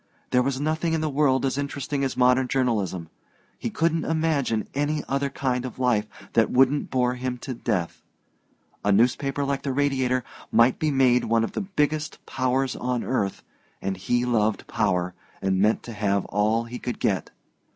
There was nothing in the world as interesting as modern journalism. He couldn't imagine any other kind of life that wouldn't bore him to death. A newspaper like the Radiator might be made one of the biggest powers on earth, and he loved power, and meant to have all he could get.